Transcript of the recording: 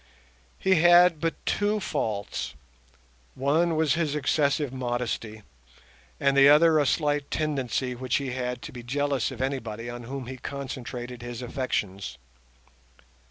He had but two faults—one was his excessive modesty, and the other a slight tendency which he had to be jealous of anybody on whom he concentrated his affections.